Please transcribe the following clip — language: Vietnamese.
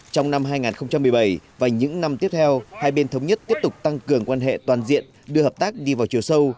trong năm hai nghìn một mươi bảy và những năm tiếp theo hai bên thống nhất tiếp tục tăng cường quan hệ toàn diện đưa hợp tác đi vào chiều sâu